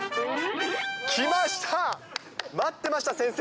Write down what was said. きました、待ってました、先生。